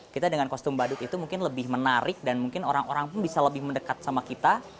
kita dengan kostum badut itu mungkin lebih menarik dan mungkin orang orang pun bisa lebih mendekat sama kita